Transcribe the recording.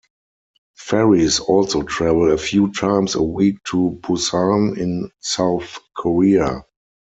Ferries also travel a few times a week to Busan in South Korea.